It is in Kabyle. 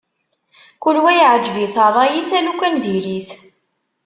Kul wa yeɛǧeb-it ṛṛay-is, ulukan diri-t.